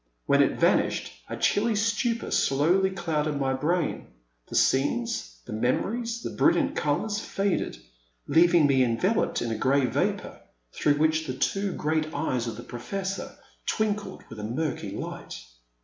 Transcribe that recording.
When it vanished, a chilly stupor slowly clouded my brain; the scenes, the memo ries, the brilliant colours, faded, leaving me envel oped in a grey vapour, through which the two great eyes of the Professor twinkled with a murky Ught.